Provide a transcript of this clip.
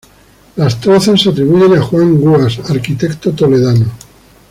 Las trazas se atribuyen a Juan Guas, arquitecto toledano.